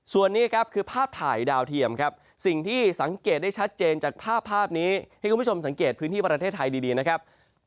ส่วนนี้ครับคือภาพถ่ายดาวเทียมครับสิ่งที่สังเกตได้ชัดเจนจากภาพภาพนี้ให้คุณผู้ชมสังเกตพื้นที่ประเทศไทยดีนะครับ